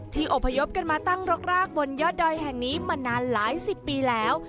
อบพยพกันมาตั้งรกรากบนยอดดอยแห่งนี้มานานหลายสิบปีแล้ว